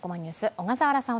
小笠原さん